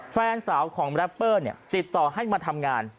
แฟนสาวของแรปเปอร์ติดต่อให้มาทำงาน